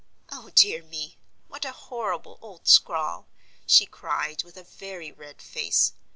"O dear me, what a horrible old scrawl," she cried, with a very red face.